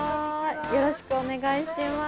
よろしくお願いします。